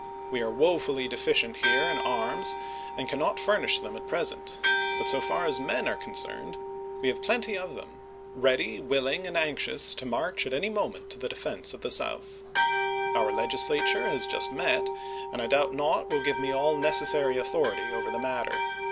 We are wo fully deficient here in arms and cannot furnish them at present ; but so far as men are concerned we have plenty of them ready, willing, and anxious to march at any mo ment to the defense of the South. Our Legislature has just met, and I doubt not will give me all necessary authority over the matter.